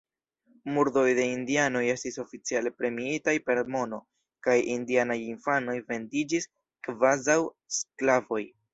Murdoj de indianoj estis oficiale premiitaj per mono, kaj indianaj infanoj vendiĝis kvazaŭ sklavoj.